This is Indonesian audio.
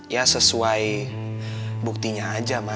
ya sesuai buktinya aja mas